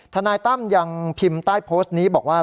ทนายตั้มยังพิมพ์ใต้โพสต์นี้บอกว่า